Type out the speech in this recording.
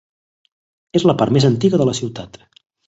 És la part més antiga de la ciutat.